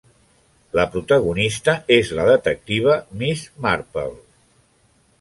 La protagonista és la detectiva Miss Marple.